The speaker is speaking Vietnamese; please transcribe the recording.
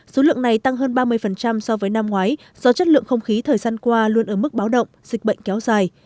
số lượng này tăng hơn ba mươi so với năm ngoái do chất lượng không khí thời gian qua luôn ở mức báo động dịch bệnh kéo dài